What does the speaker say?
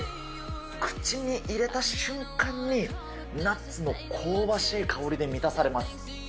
口に入れた瞬間に、ナッツの香ばしい香りで満たされます。